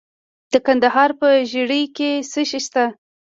د کندهار په ژیړۍ کې څه شی شته؟